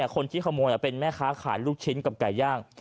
คนที่ขโมยเป็นแม่ค้าขายลูกชิ้นกับไก่ย่าง